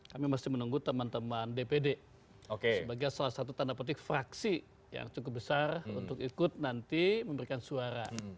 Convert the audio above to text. kami masih menunggu teman teman dpd sebagai salah satu tanda petik fraksi yang cukup besar untuk ikut nanti memberikan suara